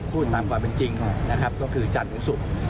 พูดตามความเป็นจริงนะครับก็คือจันทร์ถึงศุกร์